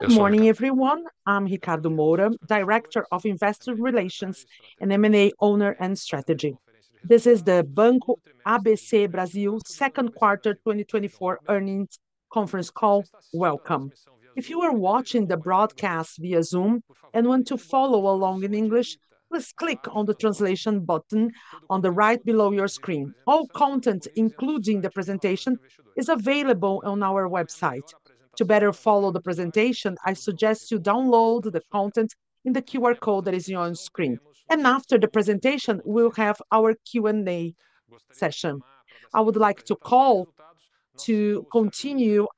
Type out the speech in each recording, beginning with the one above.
Good morning, everyone. I'm Ricardo Moura, Director of Investor Relations, M&A and Strategy. This is the Banco ABC Brasil second quarter 2024 earnings conference call. Welcome. If you are watching the broadcast via Zoom, and want to follow along in English, please click on the translation button on the right below your screen. All content, including the presentation, is available on our website. To better follow the presentation, I suggest you download the content in the QR code that is on screen. And after the presentation, we'll have our Q&A session. I would like to call upon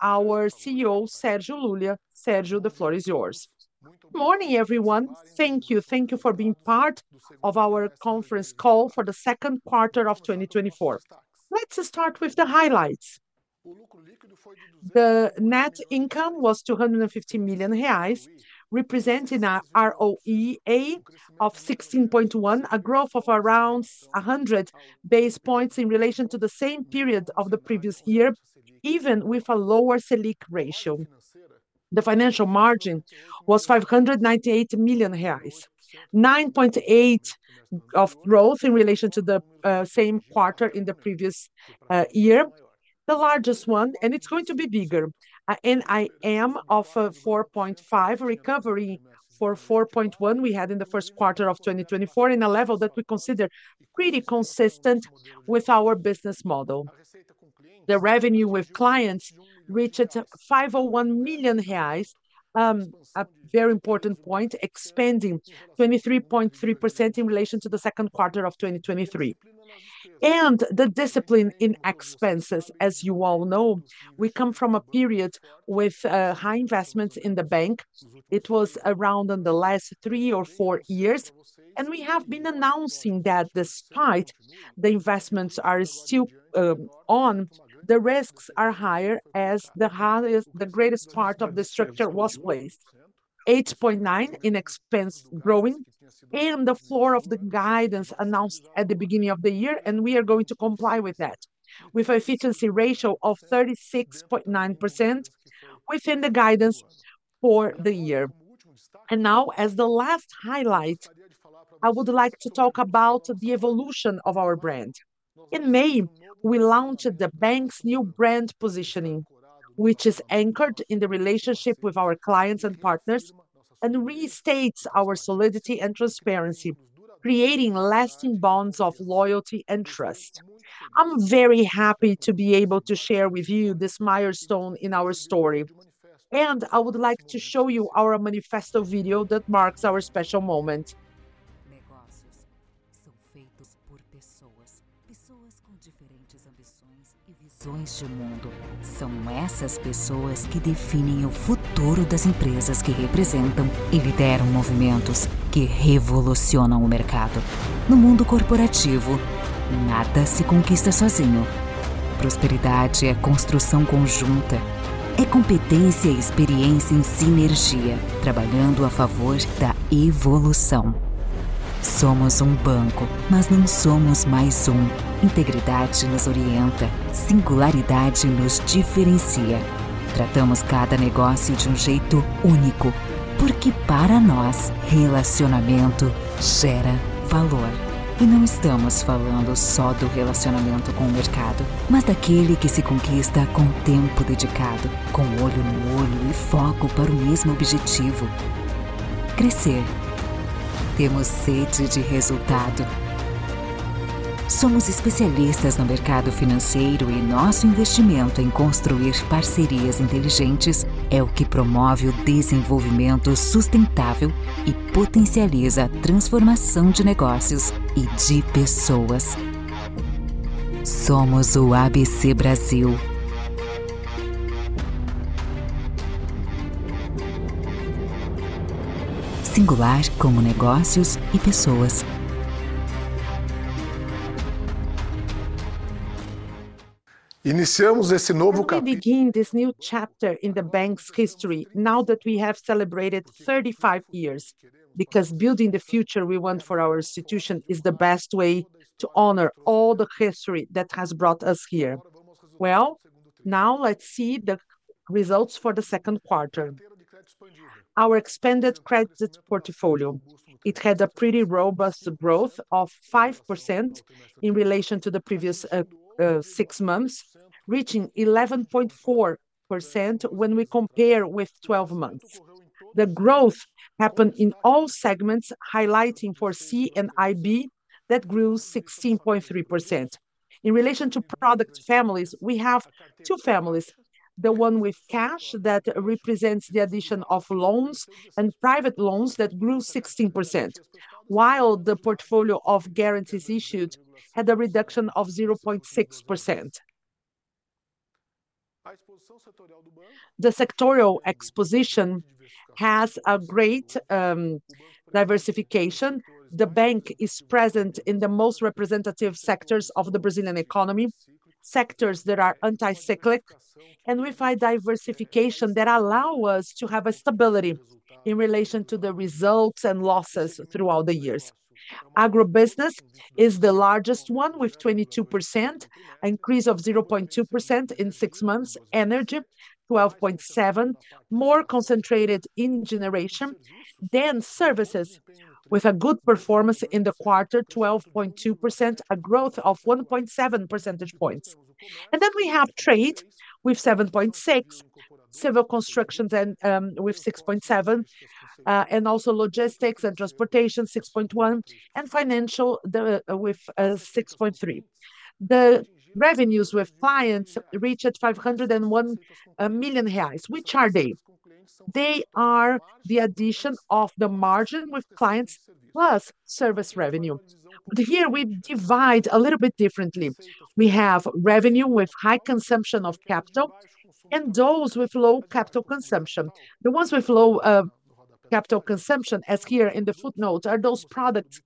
our CEO, Sergio Lulia. Sergio, the floor is yours. Good morning, everyone. Thank you. Thank you for being part of our conference call for the second quarter of 2024. Let's start with the highlights. The net income was 250 million reais, representing a ROAE of 16.1%, a growth of around 100 basis points in relation to the same period of the previous year, even with a lower Selic rate. The financial margin was 598 million reais, 9.8% growth in relation to the same quarter in the previous year, the largest one, and it's going to be bigger. NIM of 4.5% recovery from 4.1% we had in the first quarter of 2024, at a level that we consider pretty consistent with our business model. The revenue with clients reached 501 million reais, a very important point, expanding 23.3% in relation to the second quarter of 2023. The discipline in expenses, as you all know, we come from a period with high investments in the bank. It was around in the last 3 or 4 years, and we have been announcing that despite the investments are still on, the risks are higher, the greatest part of the structure was placed. 8.9% in expense growing, and the floor of the guidance announced at the beginning of the year, and we are going to comply with that, with an efficiency ratio of 36.9%, within the guidance for the year. Now, as the last highlight, I would like to talk about the evolution of our brand. In May, we launched the bank's new brand positioning, which is anchored in the relationship with our clients and partners, and restates our solidity and transparency, creating lasting bonds of loyalty and trust. I'm very happy to be able to share with you this milestone in our story, and I would like to show you our manifesto video that marks our special moment. We begin this new chapter in the bank's history, now that we have celebrated 35 years, because building the future we want for our institution is the best way to honor all the history that has brought us here. Well, now let's see the results for the second quarter. Our expanded credit portfolio, it had a pretty robust growth of 5% in relation to the previous six months, reaching 11.4% when we compare with 12 months. The growth happened in all segments, highlighting for CIB, that grew 16.3%. In relation to product families, we have two families: the one with cash, that represents the addition of loans; and private loans, that grew 16%, while the portfolio of guarantees issued had a reduction of 0.6%. The sectoral exposure has a great diversification. The bank is present in the most representative sectors of the Brazilian economy, sectors that are anti-cyclic, and we find diversification that allow us to have a stability in relation to the results and losses throughout the years. Agribusiness is the largest one, with 22%, an increase of 0.2% in six months. Energy, 12.7, more concentrated in generation than services, with a good performance in the quarter, 12.2%, a growth of one point seven percentage points. And then we have trade, with 7.6; civil constructions and with 6.7; and also logistics and transportation, 6.1; and financial, the, with 6.3. The revenues with clients reached 501 million reais. Which are they? They are the addition of the margin with clients, plus service revenue. But here we divide a little bit differently. We have revenue with high consumption of capital, and those with low capital consumption. The ones with low capital consumption, as here in the footnotes, are those products,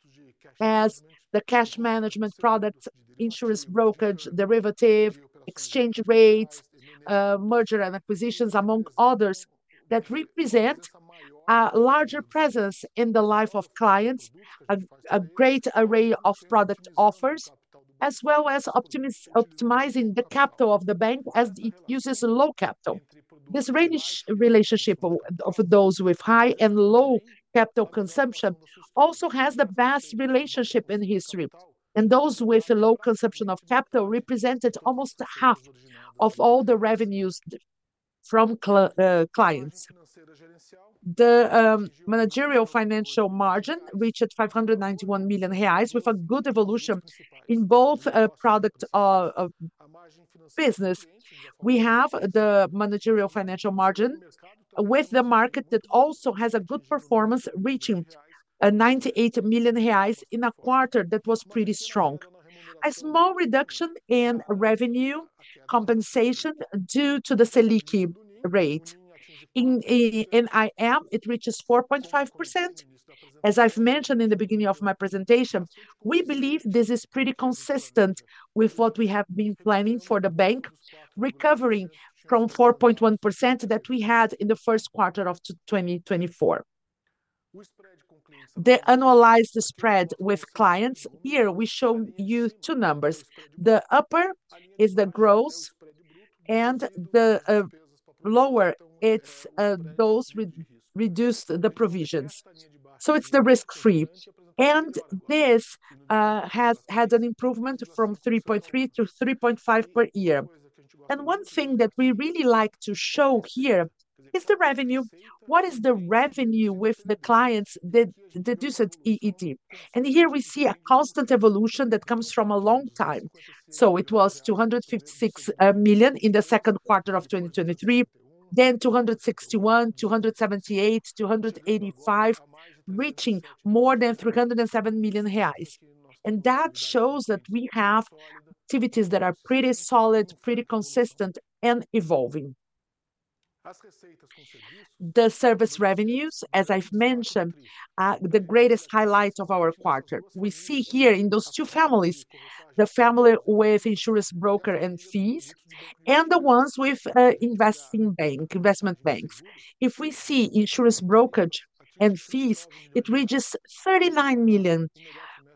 as the cash management products, insurance brokerage, derivative, exchange rates, merger and acquisitions, among others, that represent a larger presence in the life of clients. A great array of product offers, as well as optimizing the capital of the bank, as it uses low capital. This relationship of those with high and low capital consumption also has the best relationship in history, and those with a low consumption of capital represented almost half of all the revenues from clients. The managerial financial margin reached 591 million reais, with a good evolution in both product of business. We have the managerial financial margin with the market that also has a good performance, reaching 98 million reais in a quarter that was pretty strong. A small reduction in revenue compensation, due to the Selic rate. In NIM, it reaches 4.5%. As I've mentioned in the beginning of my presentation, we believe this is pretty consistent with what we have been planning for the bank, recovering from 4.1% that we had in the first quarter of 2024. The annualized spread with clients, here we show you two numbers: the upper is the gross, and the lower, it's those with reduced the provisions, so it's the risk-free. And this has had an improvement from 3.3-3.5 per year. And one thing that we really like to show here is the revenue. What is the revenue with the clients, the deducted Allocated Capital Cost? And here we see a constant evolution that comes from a long time. So it was 256 million in the second quarter of 2023, then 261 million, 278 million, 285 million, reaching more than 307 million reais, and that shows that we have activities that are pretty solid, pretty consistent, and evolving. The service revenues, as I've mentioned, are the greatest highlights of our quarter. We see here in those two families, the family with insurance broker and fees, and the ones with investment banking, investment banks. If we see insurance brokerage and fees, it reaches 39 million,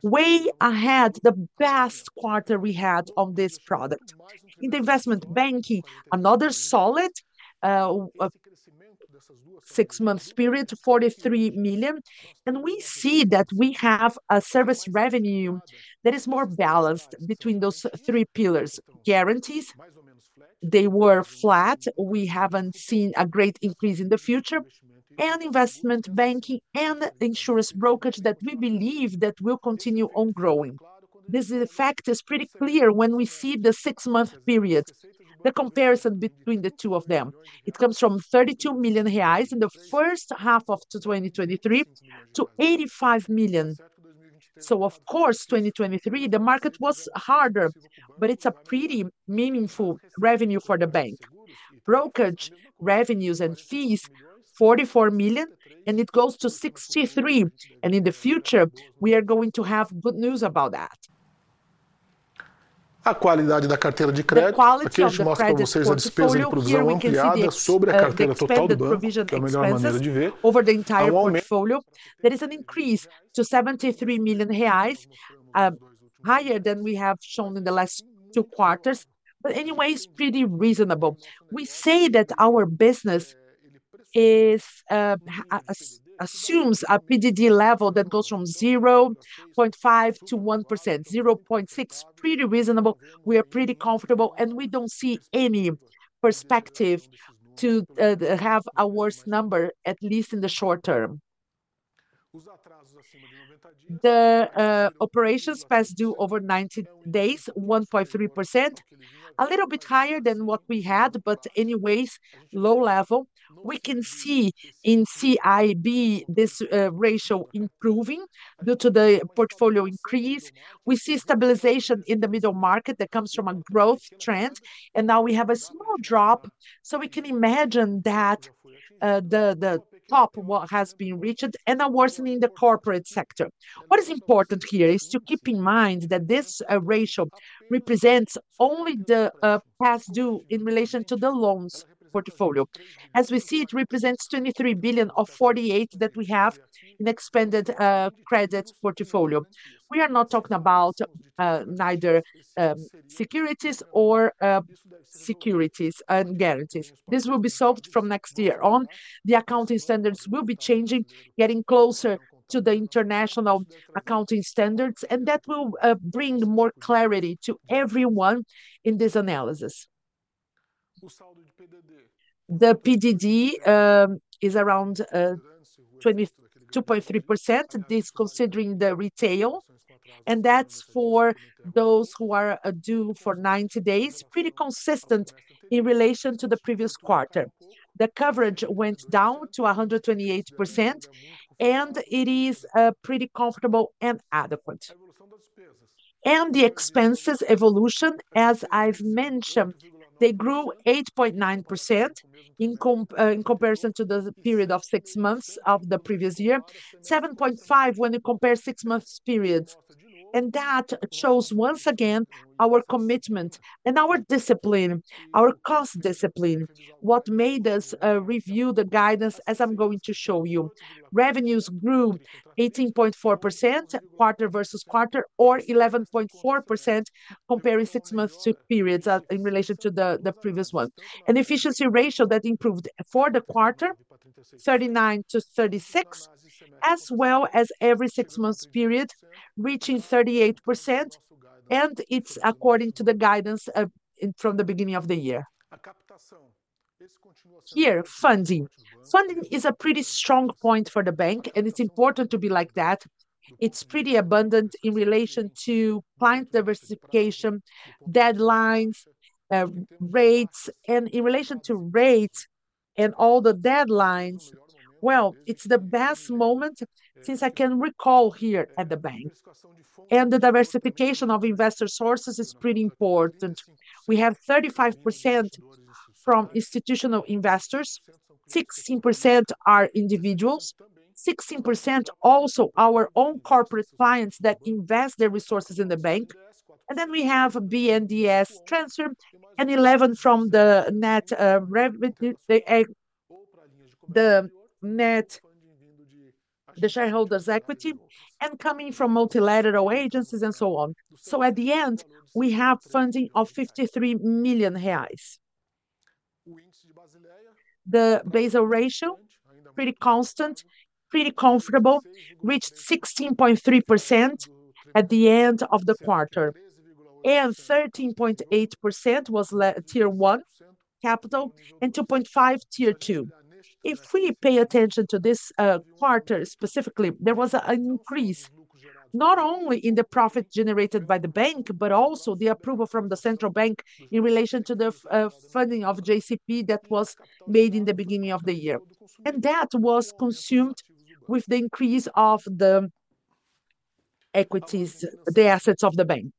way ahead, the best quarter we had on this product. In the investment banking, another solid six-month period, 43 million, and we see that we have a service revenue that is more balanced between those three pillars. Guarantees, they were flat. We haven't seen a great increase in the future. And investment banking and the insurance brokerage that we believe that will continue on growing. This effect is pretty clear when we see the six-month period, the comparison between the two of them. It comes from 32 million reais in the first half of 2023 to 85 million. So of course, 2023, the market was harder, but it's a pretty meaningful revenue for the bank. Brokerage, revenues, and fees, 44 million, and it goes to 63 million, and in the future, we are going to have good news about that. The quality of the credit portfolio, here we can see the expanded provision expenses over the entire portfolio. There is an increase to 73 million reais, higher than we have shown in the last two quarters, but anyway, it's pretty reasonable. We say that our business assumes a PDD level that goes from 0.5%-1%, 0.6, pretty reasonable. We are pretty comfortable, and we don't see any perspective to have a worse number, at least in the short term. The operations past due over 90 days, 1.3%, a little bit higher than what we had, but anyways, low level. We can see in CIB, this ratio improving, due to the portfolio increase. We see stabilization in the Middle Market that comes from a growth trend, and now we have a small drop, so we can imagine that the top, what has been reached, and are worsening the corporate sector. What is important here is to keep in mind that this ratio represents only the past due in relation to the loans portfolio. As we see, it represents 23 billion of 48 billion that we have in expanded credit portfolio. We are not talking about neither securities or securities and guarantees. This will be solved from next year on. The accounting standards will be changing, getting closer to the international accounting standards, and that will bring more clarity to everyone in this analysis. The PDD is around 22.3%, this considering the retail, and that's for those who are due for 90 days. Pretty consistent in relation to the previous quarter. The coverage went down to 128%, and it is pretty comfortable and adequate. The expenses evolution, as I've mentioned, they grew 8.9% in comparison to the period of six months of the previous year. 7.5 when you compare six months periods, and that shows once again, our commitment and our discipline, our cost discipline, what made us review the guidance, as I'm going to show you. Revenues grew 18.4% quarter-over-quarter, or 11.4% comparing six months to periods in relation to the previous one. An efficiency ratio that improved for the quarter, 39 to 36, as well as every six months period, reaching 38%, and it's according to the guidance, in, from the beginning of the year. Here, funding. Funding is a pretty strong point for the bank, and it's important to be like that. It's pretty abundant in relation to client diversification, deadlines, rates... And in relation to rates and all the deadlines, well, it's the best moment since I can recall here at the bank. The diversification of investor sources is pretty important. We have 35% from institutional investors, 16% are individuals, 16% also our own corporate clients that invest their resources in the bank, and then we have BNDES transfer, and 11 from the net, the, the net, the shareholders' equity, and coming from multilateral agencies and so on. At the end, we have funding of 53 million reais. The Basel Ratio, pretty constant, pretty comfortable, reached 16.3% at the end of the quarter, and 13.8% was Tier 1 capital, and 2.5, Tier 2. If we pay attention to this quarter specifically, there was an increase, not only in the profit generated by the bank, but also the approval from the central bank in relation to the funding of JCP that was made in the beginning of the year. That was consumed with the increase of the equities, the assets of the bank.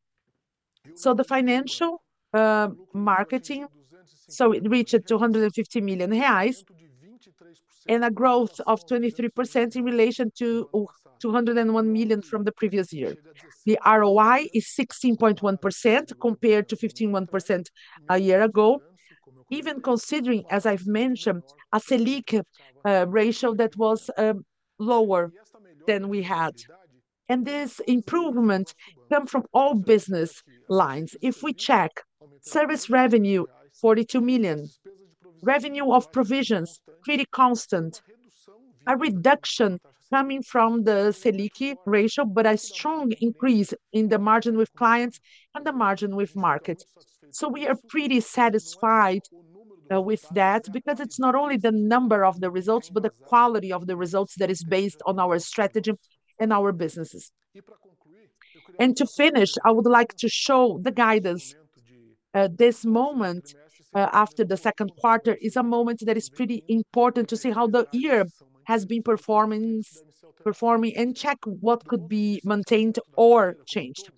The financial marketing reached 250 million reais, and a growth of 23% in relation to 201 million from the previous year. The ROI is 16.1%, compared to 15.1% a year ago. Even considering, as I've mentioned, a Selic rate that was lower than we had. This improvement come from all business lines. If we check service revenue, 42 million. Revenue of provisions, pretty constant. A reduction coming from the Selic rate, but a strong increase in the margin with clients and the margin with markets. We are pretty satisfied with that, because it's not only the number of the results, but the quality of the results that is based on our strategy and our businesses. To finish, I would like to show the guidance. This moment, after the second quarter, is a moment that is pretty important to see how the year has been performing, and check what could be maintained or changed.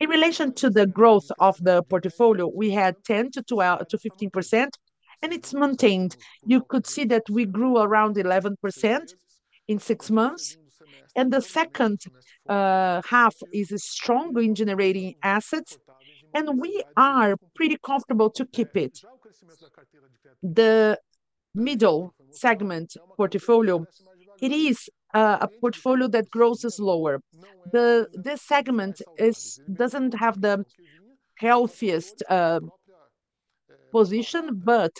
In relation to the growth of the portfolio, we had 10%-15%, and it's maintained. You could see that we grew around 11% in six months, and the second half is stronger in generating assets, and we are pretty comfortable to keep it. The middle segment portfolio, it is a portfolio that grows slower. This segment doesn't have the healthiest position, but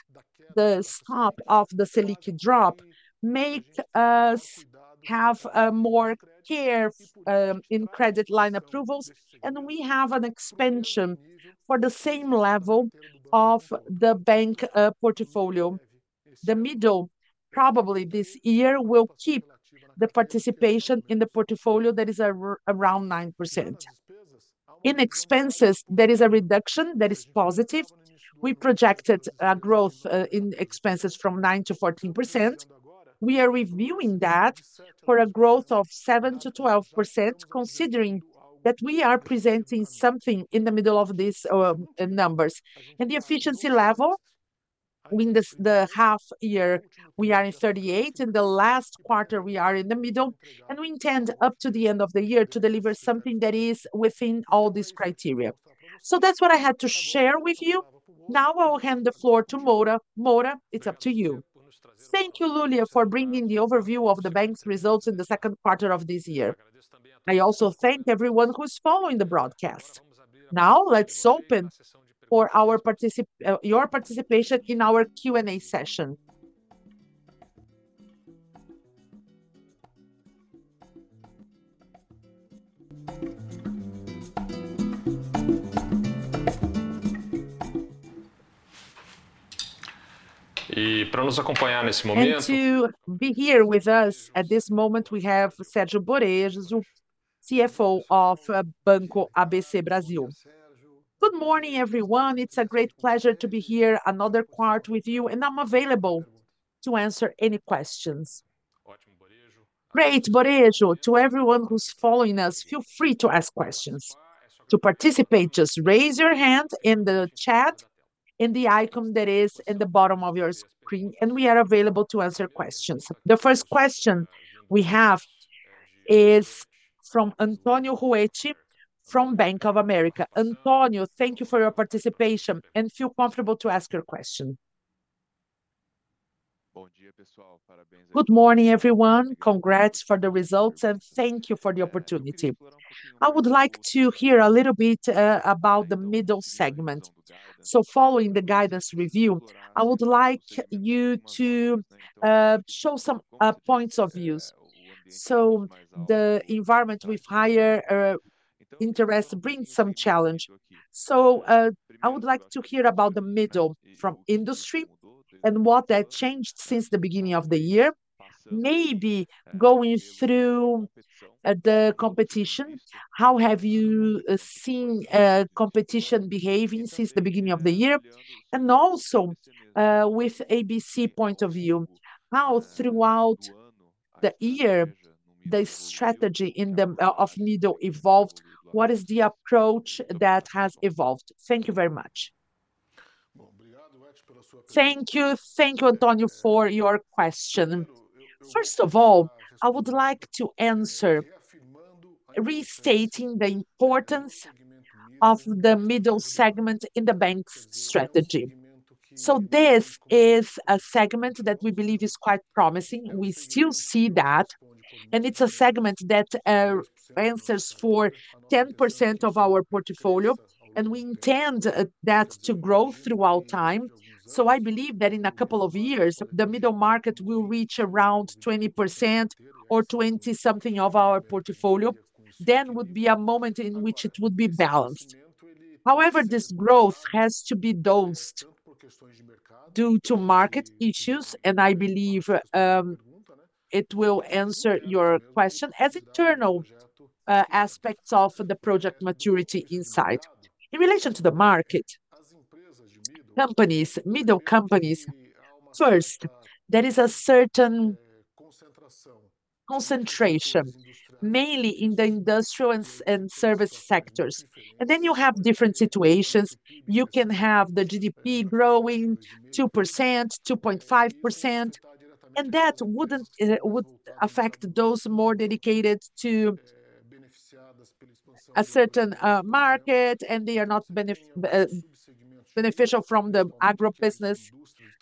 the stop of the Selic drop made us have more care in credit line approvals, and we have an expansion for the same level of the bank portfolio. The middle, probably this year, will keep the participation in the portfolio that is around 9%. In expenses, there is a reduction that is positive. We projected a growth in expenses from 9%-14%. We are reviewing that for a growth of 7%-12%, considering that we are presenting something in the middle of these numbers. And the efficiency level, in this, the half year, we are at 38%, in the last quarter, we are in the middle, and we intend up to the end of the year to deliver something that is within all these criteria. So that's what I had to share with you. Now, I'll hand the floor to Moura. Moura, it's up to you. Thank you, Lulia, for bringing the overview of the bank's results in the second quarter of this year. I also thank everyone who is following the broadcast. Now, let's open for your participation in our Q&A session. And to be here with us at this moment, we have Sergio Borejo, CFO of Banco ABC Brasil. Good morning, everyone. It's a great pleasure to be here, another quarter with you, and I'm available to answer any questions. Great, Borejo, to everyone who's following us, feel free to ask questions. To participate, just raise your hand in the chat, in the icon that is in the bottom of your screen, and we are available to answer questions. The first question we have is from Antonio Huete, from Bank of America. Antonio, thank you for your participation, and feel comfortable to ask your question. Good morning, everyone. Congrats for the results, and thank you for the opportunity. I would like to hear a little bit about the middle segment. So following the guidance review, I would like you to show some points of views. So the environment with higher interest brings some challenge. So, I would like to hear about the Middle Market industry and what that changed since the beginning of the year. Maybe going through, the competition, how have you seen, competition behaving since the beginning of the year? And also, with ABC point of view, how throughout the year, the strategy in the, of Middle Market evolved, what is the approach that has evolved? Thank you very much. Thank you. Thank you, Antonio, for your question. First of all, I would like to answer, restating the importance of the Middle Market segment in the bank's strategy. So this is a segment that we believe is quite promising. We still see that, and it's a segment that, accounts for 10% of our portfolio, and we intend, that to grow over time. So I believe that in a couple of years, the middle market will reach around 20% or 20-something of our portfolio. Then would be a moment in which it would be balanced. However, this growth has to be dosed due to market issues, and I believe it will answer your question as internal aspects of the project maturity inside. In relation to the market, companies, middle companies, first, there is a certain concentration, mainly in the industrial and service sectors. Then you have different situations. You can have the GDP growing 2%, 2.5%, and that wouldn't... It would affect those more dedicated to a certain market, and they are not beneficial from the agribusiness.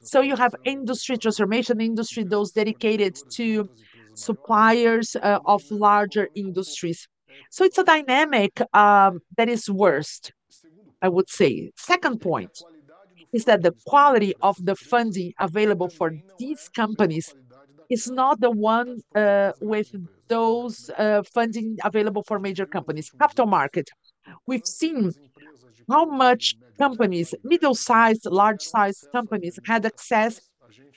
So you have industry, transformation industry, those dedicated to suppliers of larger industries. So it's a dynamic that is worse, I would say. Second point is that the quality of the funding available for these companies is not the one with those funding available for major companies. Capital market. We've seen how much companies, middle-sized, large-sized companies, had access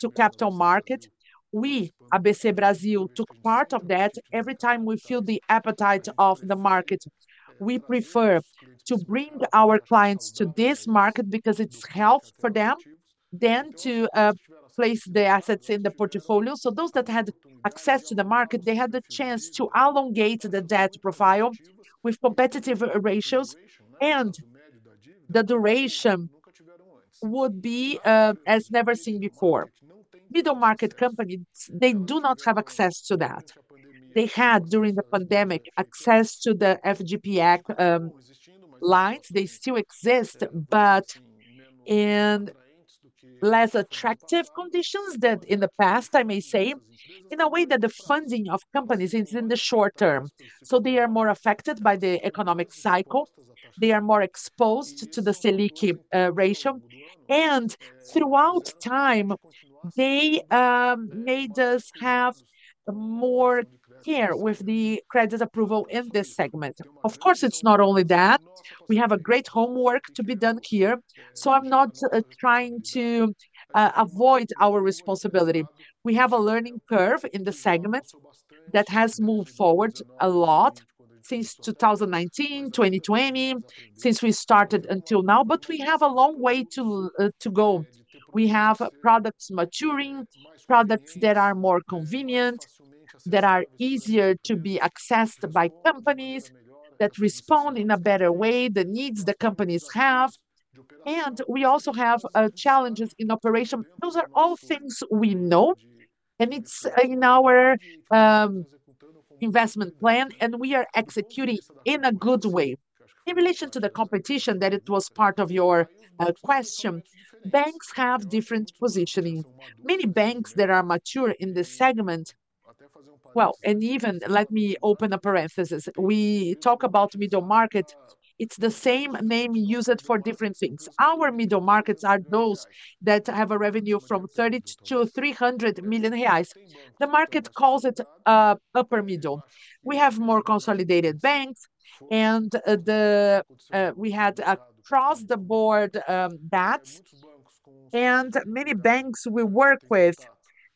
to capital market. We, ABC Brasil, took part of that. Every time we feel the appetite of the market, we prefer to bring our clients to this market because it's health for them, then to place the assets in the portfolio. So those that had access to the market, they had the chance to elongate the debt profile with competitive ratios, and the duration would be as never seen before. Middle market companies, they do not have access to that. They had, during the pandemic, access to the FGI PEAC lines. They still exist, but in less attractive conditions than in the past, I may say, in a way that the funding of companies is in the short term, so they are more affected by the economic cycle, they are more exposed to the Selic rate. Throughout time, they made us have more care with the credit approval in this segment. Of course, it's not only that. We have a great homework to be done here, so I'm not trying to avoid our responsibility. We have a learning curve in the segment that has moved forward a lot since 2019, 2020, since we started until now, but we have a long way to to go. We have products maturing, products that are more convenient, that are easier to be accessed by companies, that respond in a better way, the needs the companies have, and we also have challenges in operation. Those are all things we know, and it's in our investment plan, and we are executing in a good way. In relation to the competition, that it was part of your question, banks have different positioning. Many banks that are mature in this segment... Well, and even, let me open a parenthesis. We talk about Middle Market, it's the same name used for different things. Our Middle Markets are those that have a revenue from 30 million-300 million reais. The market calls it upper middle. We have more consolidated banks, and we had across the board, that-... Many banks we work with,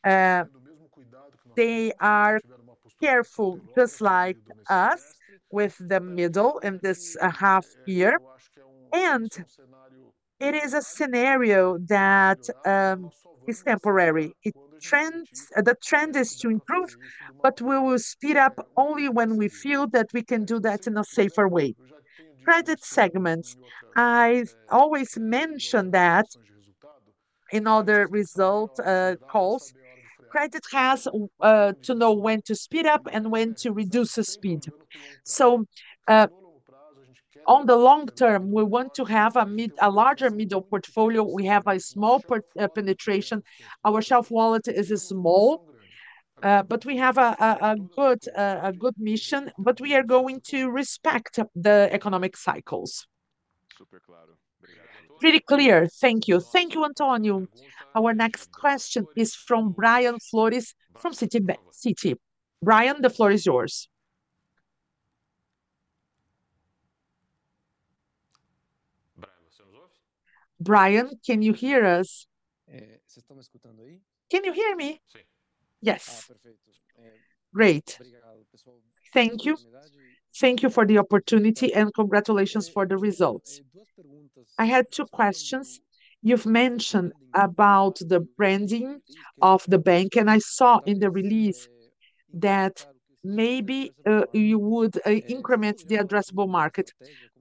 they are careful just like us with the middle in this half year, and it is a scenario that is temporary. The trend is to improve, but we will speed up only when we feel that we can do that in a safer way. Credit segments, I've always mentioned that in other results calls, credit has to know when to speed up and when to reduce the speed. So, on the long term, we want to have a larger middle portfolio. We have a small portfolio penetration. Our share of wallet is small, but we have a good position, but we are going to respect the economic cycles. Pretty clear. Thank you. Thank you, Antonio. Our next question is from Brian Flores, from Citi. Brian, the floor is yours. Brian, can you hear us? Can you hear me? Yes. Great. Thank you. Thank you for the opportunity, and congratulations for the results. I had two questions. You've mentioned about the branding of the bank, and I saw in the release that maybe you would increment the addressable market.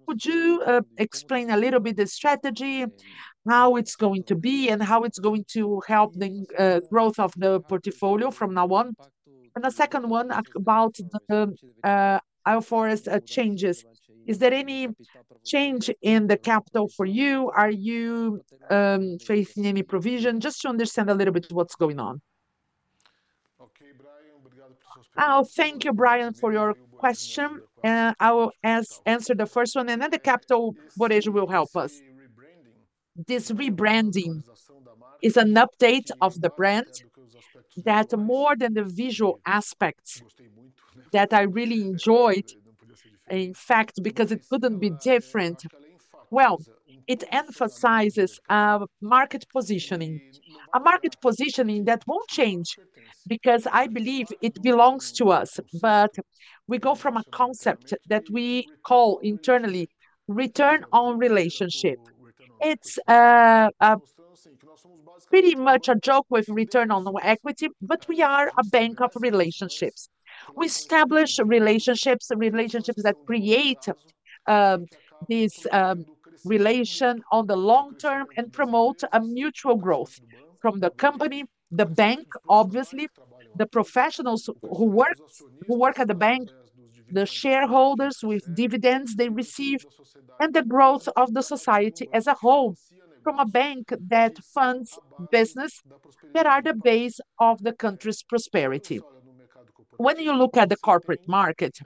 Would you explain a little bit the strategy, how it's going to be, and how it's going to help the growth of the portfolio from now on? And the second one, about the IFRS changes. Is there any change in the capital for you? Are you facing any provision? Just to understand a little bit what's going on. Oh, thank you, Brian, for your question, and I will answer the first one, and then the capital, Borejo will help us. This rebranding is an update of the brand, more than the visual aspects that I really enjoyed, in fact, because it couldn't be different. Well, it emphasizes our market positioning. A market positioning that won't change, because I believe it belongs to us, but we go from a concept that we call internally, return on relationship. It's a pretty much a joke with return on equity, but we are a bank of relationships. We establish relationships, relationships that create this relation on the long term and promote a mutual growth from the company, the bank, obviously, the professionals who work at the bank, the shareholders with dividends they receive, and the growth of the society as a whole, from a bank that funds business that are the base of the country's prosperity. When you look at the corporate market,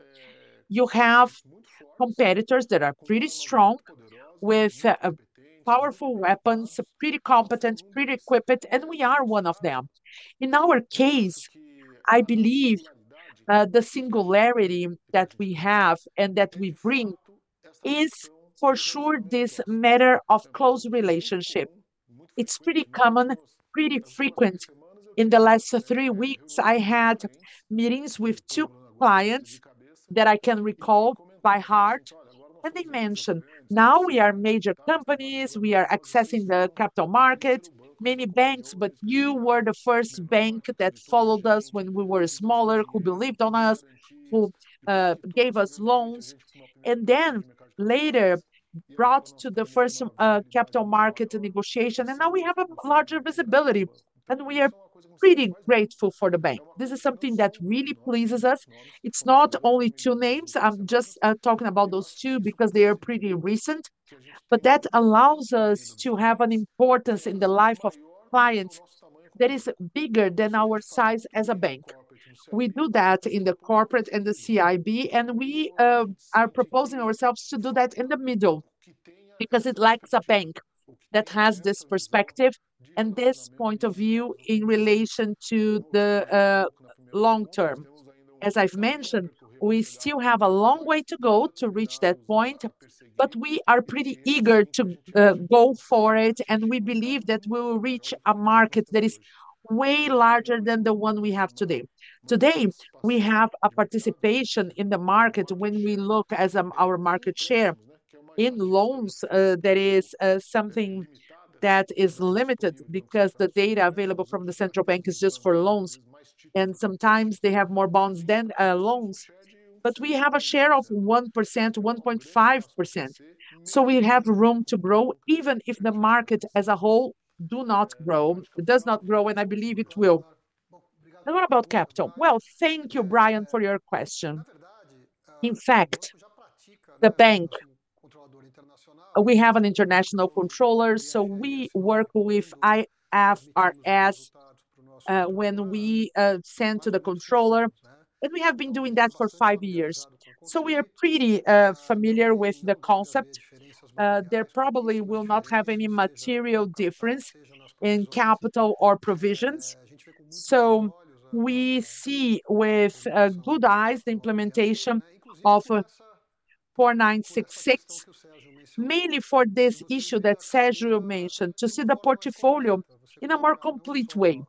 you have competitors that are pretty strong, with powerful weapons, pretty competent, pretty equipped, and we are one of them. In our case, I believe the singularity that we have and that we bring is for sure this matter of close relationship. It's pretty common, pretty frequent. In the last three weeks, I had meetings with two clients that I can recall by heart, and they mentioned, "Now we are major companies, we are accessing the capital market, many banks, but you were the first bank that followed us when we were smaller, who believed on us, who gave us loans, and then later brought to the first capital market negotiation, and now we have a larger visibility, and we are pretty grateful for the bank." This is something that really pleases us. It's not only two names, I'm just talking about those two because they are pretty recent, but that allows us to have an importance in the life of clients that is bigger than our size as a bank. We do that in the corporate and the CIB, and we are proposing ourselves to do that in the middle, because it lacks a bank that has this perspective and this point of view in relation to the long term. As I've mentioned, we still have a long way to go to reach that point, but we are pretty eager to go for it, and we believe that we will reach a market that is way larger than the one we have today. Today, we have a participation in the market when we look as our market share. In loans, that is, something that is limited because the data available from the Central Bank is just for loans, and sometimes they have more bonds than, loans. But we have a share of 1%, 1.5%, so we have room to grow, even if the market as a whole do not grow, does not grow, and I believe it will. And what about capital? Well, thank you, Brian, for your question. In fact, the bank, we have an international controller, so we work with IFRS, when we, send to the controller, and we have been doing that for five years, so we are pretty, familiar with the concept. There probably will not have any material difference in capital or provisions. So we see with, good eyes the implementation of,...... 4,966, mainly for this issue that Sergio mentioned, to see the portfolio in a more complete way.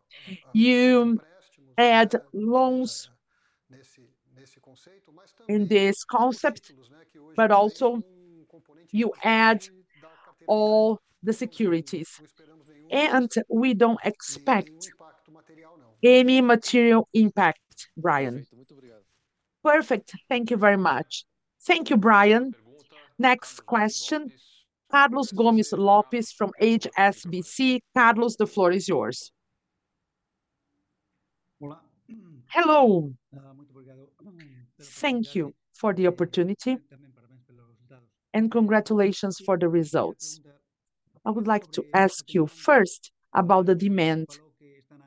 You add loans in this concept, but also you add all the securities. And we don't expect any material impact, Brian. Perfect. Thank you very much. Thank you, Brian. Next question, Carlos Gómez-López from HSBC. Carlos, the floor is yours. Hello. Thank you for the opportunity, and congratulations for the results. I would like to ask you first about the demand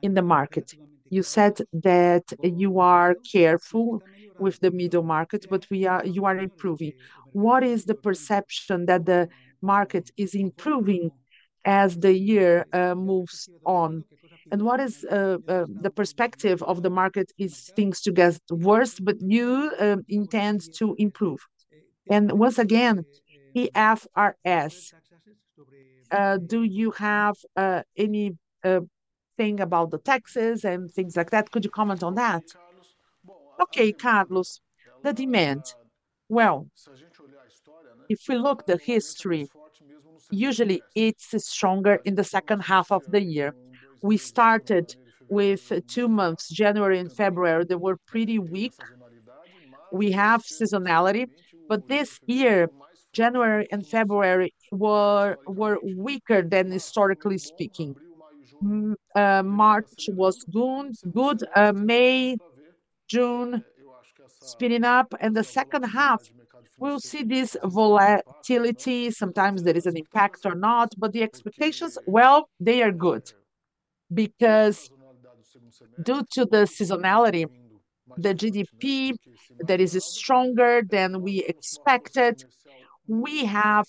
in the market. You said that you are careful with the middle market, but we are— you are improving. What is the perception that the market is improving as the year moves on? And what is the perspective of the market, is things to get worse, but you intend to improve? And once again, IFRS, do you have any thing about the taxes and things like that? Could you comment on that? Okay, Carlos, the demand. Well, if we look the history, usually it's stronger in the second half of the year. We started with two months, January and February, they were pretty weak. We have seasonality, but this year, January and February were weaker than historically speaking. March was good, May, June, speeding up, and the second half, we'll see this volatility. Sometimes there is an impact or not, but the expectations, well, they are good. Because due to the seasonality, the GDP, that is stronger than we expected, we have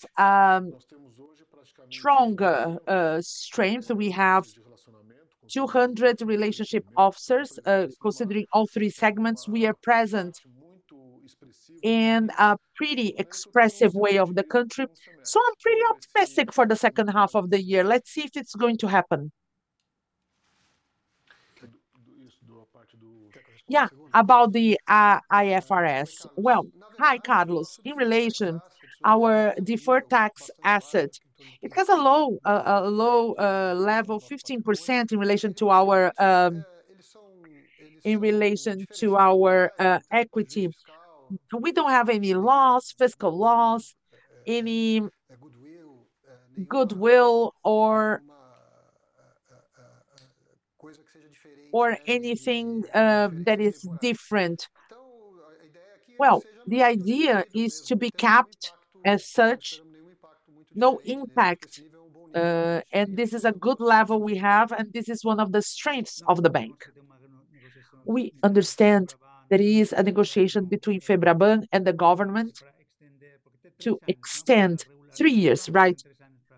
stronger strength. We have 200 relationship officers, considering all three segments. We are present in a pretty expressive way of the country, so I'm pretty optimistic for the second half of the year. Let's see if it's going to happen. Yeah, about the IFRS. Well, hi, Carlos. In relation, our deferred tax asset, it has a low level, 15% in relation to our equity. We don't have any laws, fiscal laws, any goodwill or, or anything, that is different. Well, the idea is to be capped as such, no impact, and this is a good level we have, and this is one of the strengths of the bank. We understand there is a negotiation between Febraban and the government to extend three years, right,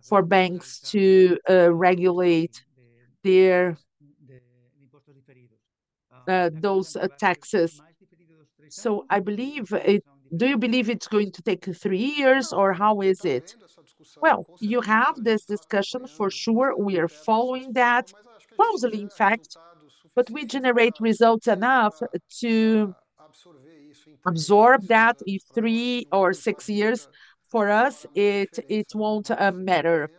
for banks to, regulate their, those taxes. So I believe it. Do you believe it's going to take three years, or how is it? Well, you have this discussion, for sure. We are following that closely, in fact, but we generate results enough to absorb that in three or six years. For us, it, it won't, matter,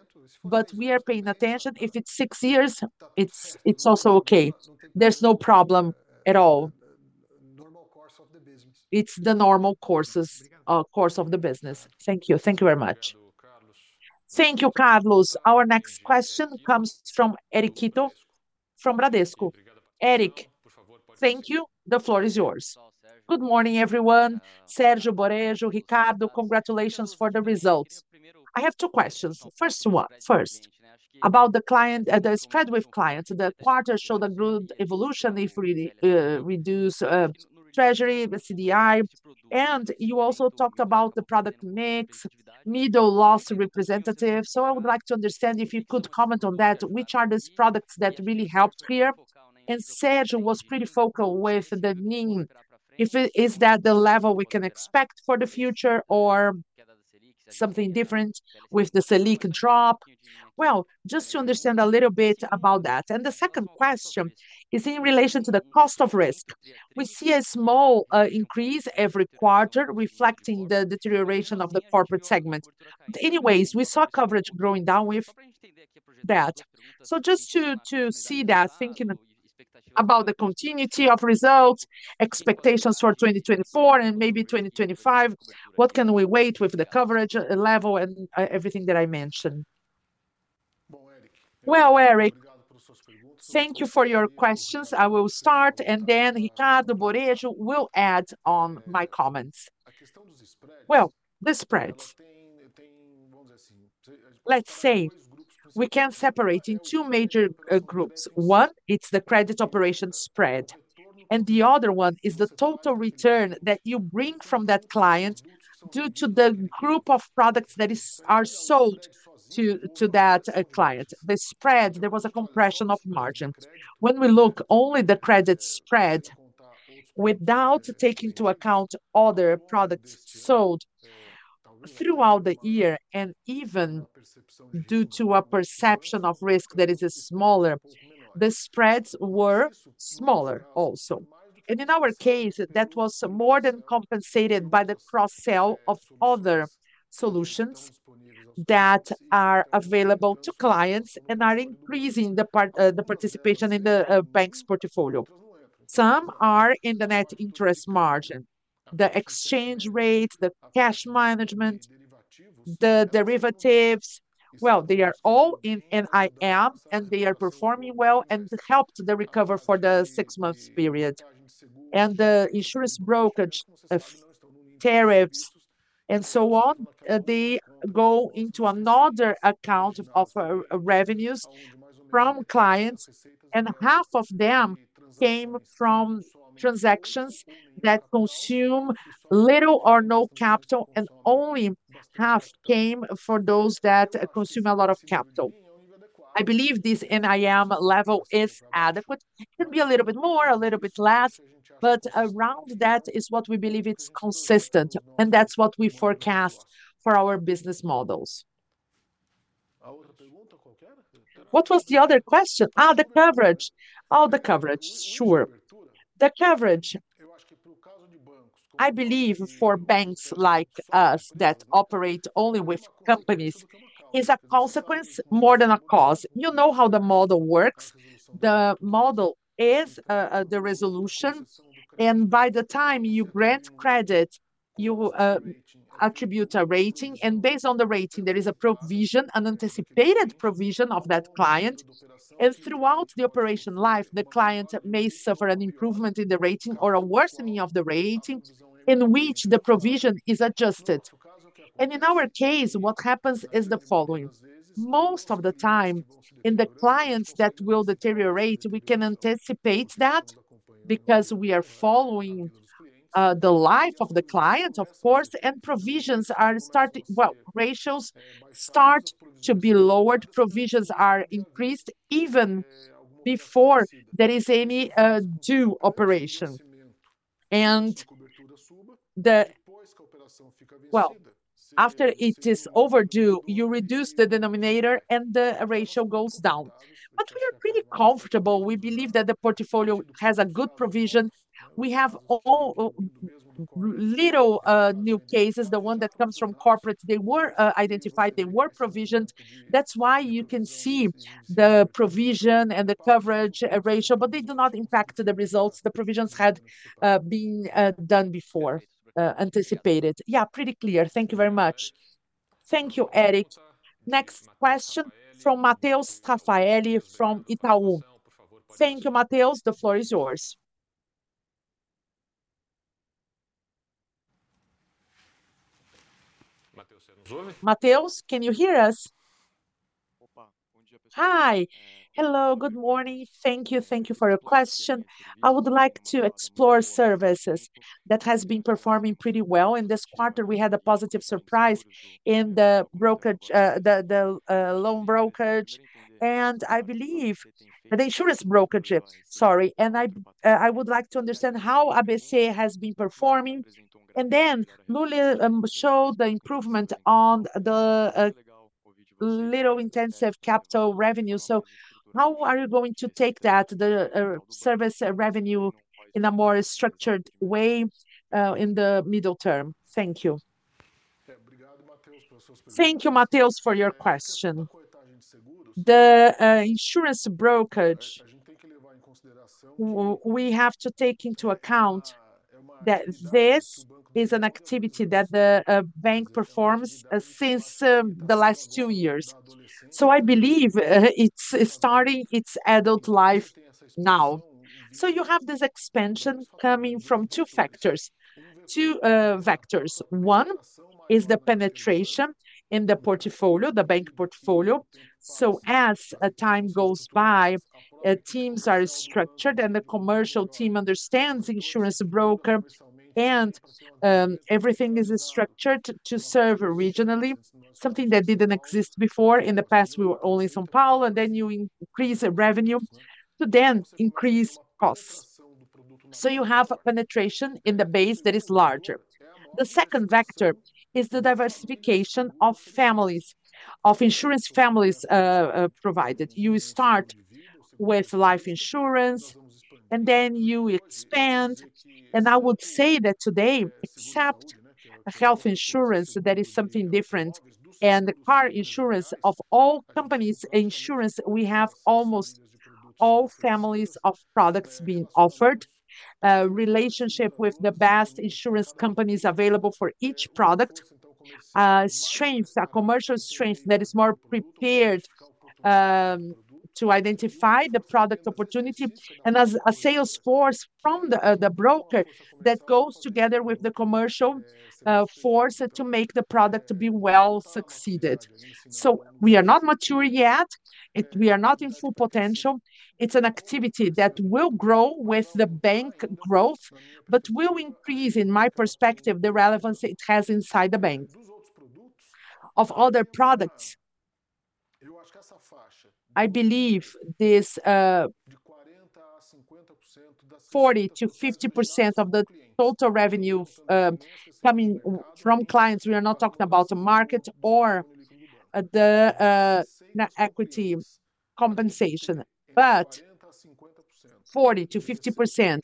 but we are paying attention. If it's six years, it's, it's also okay. There's no problem at all. Normal course of the business. It's the normal course of the business. Thank you. Thank you very much. Thank you, Carlos. Our next question comes from Eric Ito, from Bradesco. Eric, thank you. The floor is yours. Good morning, everyone. Sergio Borejo, Ricardo, congratulations for the results. I have two questions. First one, about the client, the spread with clients. The quarter showed a good evolution if we reduce treasury, the CDI, and you also talked about the product mix, Middle Market representative. So I would like to understand, if you could comment on that, which are these products that really helped here? And Sergio was pretty vocal with the NIM, if it is that the level we can expect for the future or something different with the Selic drop? Well, just to understand a little bit about that. And the second question is in relation to the cost of risk. We see a small increase every quarter, reflecting the deterioration of the corporate segment. Anyways, we saw coverage going down with that. So just to see that, thinking about the continuity of results, expectations for 2024 and maybe 2025, what can we expect with the coverage level and everything that I mentioned? Well, Eric, thank you for your questions. I will start, and then Ricardo Moura will add on my comments. Well, the spreads, let's say, we can separate in two major groups. One, it's the credit operation spread, and the other one is the total return that you bring from that client due to the group of products that is, are sold to, to that client. The spread, there was a compression of margin. When we look only the credit spread, without taking into account other products sold throughout the year, and even due to a perception of risk that is smaller, the spreads were smaller also. In our case, that was more than compensated by the cross-sell of other solutions that are available to clients and are increasing the part, the participation in the bank's portfolio. Some are in the net interest margin, the exchange rate, the cash management, the derivatives. Well, they are all in NIM, and they are performing well and helped the recovery for the six months period. The insurance brokerage of tariffs, and so on, they go into another account of revenues from clients, and half of them came from transactions that consume little or no capital, and only half came for those that consume a lot of capital. I believe this NIM level is adequate. It can be a little bit more, a little bit less, but around that is what we believe it's consistent, and that's what we forecast for our business models. What was the other question? Ah, the coverage. Oh, the coverage, sure. The coverage, I believe, for banks like us that operate only with companies, is a consequence more than a cause. You know how the model works. The model is the resolution, and by the time you grant credit, you attribute a rating, and based on the rating, there is a provision, an anticipated provision of that client. And throughout the operation life, the client may suffer an improvement in the rating or a worsening of the rating, in which the provision is adjusted. And in our case, what happens is the following: most of the time, in the clients that will deteriorate, we can anticipate that, because we are following the life of the client, of course, and provisions are starting... Well, ratios start to be lowered, provisions are increased even before there is any due operation. And the... Well, after it is overdue, you reduce the denominator and the ratio goes down. But we are pretty comfortable. We believe that the portfolio has a good provision. We have all little new cases. The one that comes from corporate, they were identified, they were provisioned. That's why you can see the provision and the coverage ratio, but they do not impact the results. The provisions had been done before anticipated. Yeah, pretty clear. Thank you very much. Thank you, Eric. Next question from Mateus Raffaelli from Itaú. Thank you, Mateus. The floor is yours. Mateus, can you hear us? Hi. Hello, good morning. Thank you, thank you for your question. I would like to explore services that has been performing pretty well. In this quarter, we had a positive surprise in the brokerage, the loan brokerage, and I believe the insurance brokerage, sorry. I would like to understand how ABC has been performing. And then, Lulia, showed the improvement on the less capital-intensive revenue. So how are you going to take that, service revenue, in a more structured way, in the medium term? Thank you. Thank you, Mateus, for your question. The insurance brokerage, we have to take into account that this is an activity that the bank performs since the last two years. So I believe, it's starting its adult life now. So you have this expansion coming from two factors, two vectors. One is the penetration in the portfolio, the bank portfolio. So as time goes by, teams are structured, and the commercial team understands insurance broker, and everything is structured to serve regionally, something that didn't exist before. In the past, we were only São Paulo, and then you increase the revenue, you then increase costs. So you have a penetration in the base that is larger. The second vector is the diversification of families, of insurance families, provided. You start with life insurance, and then you expand. And I would say that today, except health insurance, that is something different, and the car insurance of all companies' insurance, we have almost all families of products being offered, a relationship with the best insurance companies available for each product. Strength, a commercial strength that is more prepared to identify the product opportunity, and as a sales force from the broker, that goes together with the commercial force to make the product to be well succeeded. So we are not mature yet, we are not in full potential. It's an activity that will grow with the bank growth, but will increase, in my perspective, the relevance it has inside the bank. Of other products, I believe this 40%-50% of the total revenue coming from clients, we are not talking about the market or the net equity compensation. But 40%-50%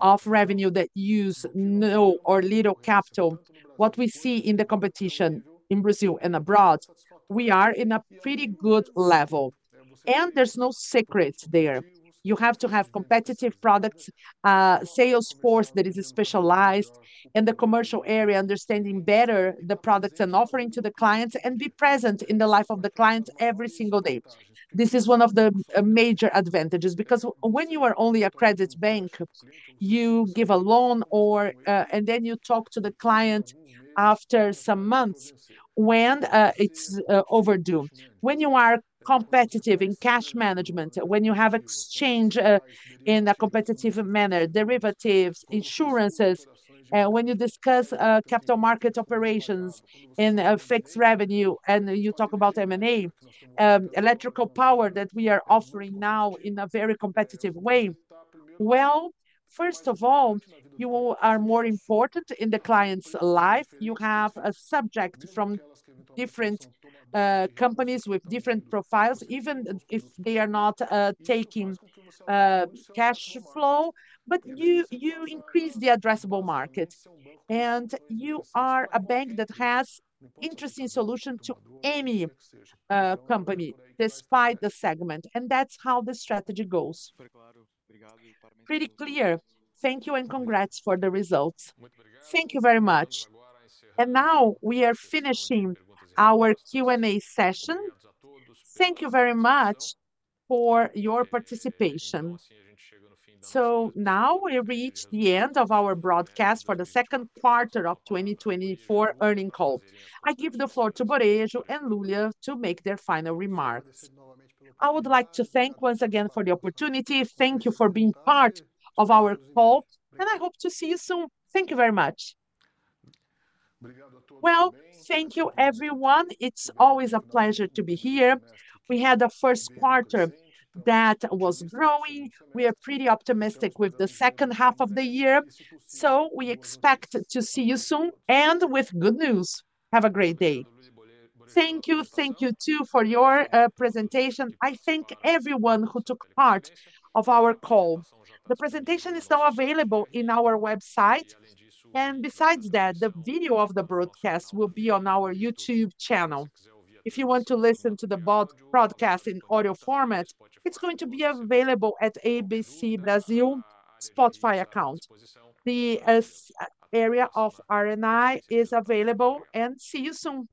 of revenue that use no or little capital, what we see in the competition in Brazil and abroad, we are in a pretty good level, and there's no secrets there. You have to have competitive products, a sales force that is specialized in the commercial area, understanding better the products and offering to the clients, and be present in the life of the client every single day. This is one of the major advantages. Because when you are only a credit bank, you give a loan or... And then you talk to the client after some months when it's overdue. When you are competitive in cash management, when you have exchange in a competitive manner, derivatives, insurances, when you discuss capital market operations and fixed revenue, and you talk about M&A, electrical power that we are offering now in a very competitive way, well, first of all, you are more important in the client's life. You have a subject from different companies with different profiles, even if they are not taking cash flow. But you increase the addressable market, and you are a bank that has interesting solution to any company, despite the segment, and that's how the strategy goes. Pretty clear. Thank you, and congrats for the results. Thank you very much. And now we are finishing our Q&A session. Thank you very much for your participation. So now we reach the end of our broadcast for the second quarter of 2024 earnings call. I give the floor to Borejo and Lulia to make their final remarks. I would like to thank once again for the opportunity. Thank you for being part of our call, and I hope to see you soon. Thank you very much. Well, thank you, everyone. It's always a pleasure to be here. We had a first quarter that was growing. We are pretty optimistic with the second half of the year, so we expect to see you soon, and with good news. Have a great day. Thank you. Thank you, too, for your presentation. I thank everyone who took part of our call. The presentation is now available in our website, and besides that, the video of the broadcast will be on our YouTube channel. If you want to listen to the broadcast in audio format, it's going to be available at ABC Brasil Spotify account. The IR area is available, and see you soon.